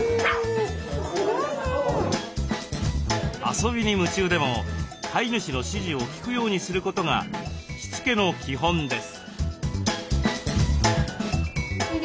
遊びに夢中でも飼い主の指示を聞くようにすることがしつけの基本です。